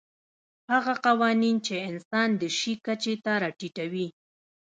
هغه قوانین چې انسان د شي کچې ته راټیټوي.